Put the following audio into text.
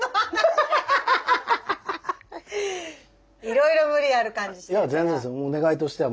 いろいろ無理ある感じして。